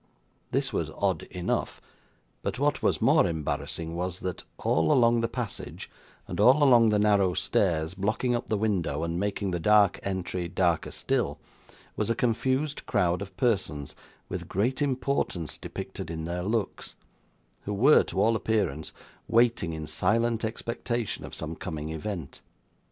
This was odd enough: but what was more embarrassing was, that all along the passage, and all along the narrow stairs, blocking up the window, and making the dark entry darker still, was a confused crowd of persons with great importance depicted in their looks; who were, to all appearance, waiting in silent expectation of some coming event.